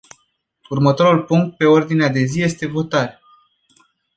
Următorul punct pe ordinea de zi este votarea.